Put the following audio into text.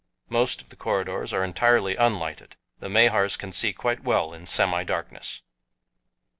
Most of the corridors are entirely unlighted. The Mahars can see quite well in semidarkness.